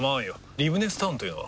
リブネスタウンというのは？